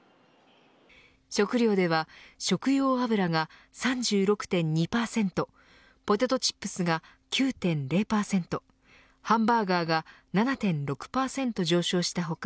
食料では食用油が３６．２％ポテトチップスが９．０％ハンバーガーが７．６％上昇した他